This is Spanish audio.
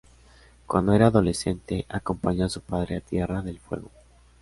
Cuando era adolescente, acompañó a su padre a Tierra del Fuego.